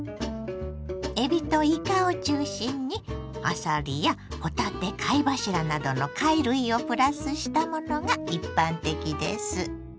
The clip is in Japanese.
えびといかを中心にあさりやほたて貝柱などの貝類をプラスしたものが一般的です。